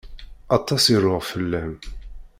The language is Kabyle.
Aṭas i ruɣ fell-am.